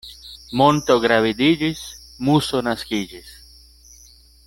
Monto gravediĝis, muso naskiĝis.